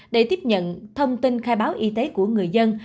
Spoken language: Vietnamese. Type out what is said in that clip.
để tiếp nhận thông tin khai báo y tế của người dân